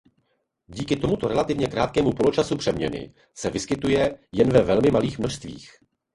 Díky tomuto relativně krátkému poločasu přeměny se vyskytuje jen ve velmi malých množstvích.